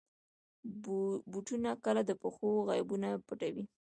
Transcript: بوټونه کله د پښو عیبونه پټوي.